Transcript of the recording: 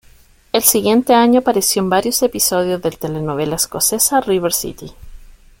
El siguiente año apareció en varios episodios del telenovela escocesa River City.